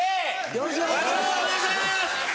よろしくお願いします！